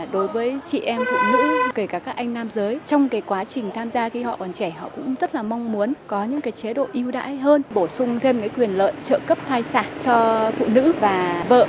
đối với chị em phụ nữ kể cả các anh nam giới trong quá trình tham gia khi họ còn trẻ họ cũng rất là mong muốn có những chế độ ưu đãi hơn bổ sung thêm quyền lợi trợ cấp thai sản cho phụ nữ và vợ